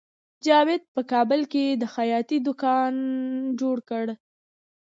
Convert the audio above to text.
جاوید په کابل کې د خیاطۍ دکان جوړ کړ